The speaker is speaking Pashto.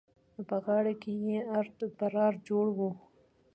په غاړه کې يې ارت پرار جوړ وو.